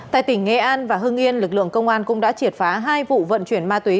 tại tỉnh nghệ an và hưng yên lực lượng công an cũng đã triệt phá hai vụ vận chuyển ma túy